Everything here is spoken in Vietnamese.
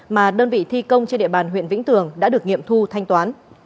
mà đơn vị thi công trên địa bàn huyện vĩnh tường đã được nghiệm thu thanh toán